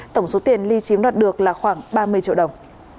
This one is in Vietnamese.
tổng số tiền li chiếm đoạt được là khoảng ba mươi triệu đồng